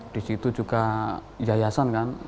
di situ juga yayasan kan